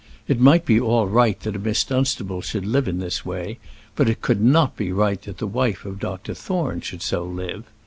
It might be all right that a Miss Dunstable should live in this way, but it could not be right that the wife of Dr. Thorne should so live.